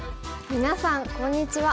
みなさんこんにちは。